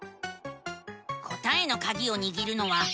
答えのカギをにぎるのはえら。